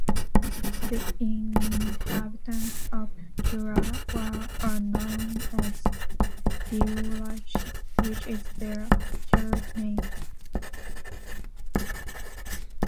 The inhabitants of Jura are known as Diurachs, which is their Gaelic name.